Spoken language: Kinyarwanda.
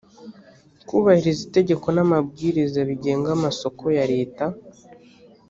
kubahiriza itegeko n amabwiririza bigenga amasoko ya leta